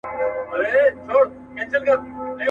پرېږده چي نشه یم له خمار سره مي نه لګي.